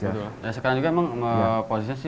ya bisa ya sekarang juga memang posisi memang ya